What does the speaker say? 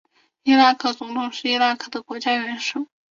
伊拉克总统是伊拉克的国家元首。